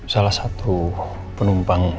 salah satu penumpang